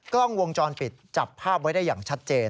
กล้องวงจรปิดจับภาพไว้ได้อย่างชัดเจน